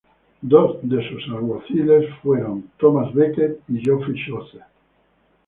Dos de sus alguaciles fue Thomas Becket y Geoffrey Chaucer.